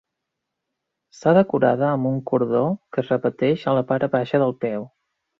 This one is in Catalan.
Està decorada amb un cordó que es repeteix en la part baixa del peu.